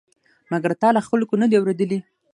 مګر تا له خلکو نه دي اورېدلي؟